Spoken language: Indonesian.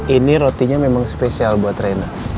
ini rotinya memang spesial buat rena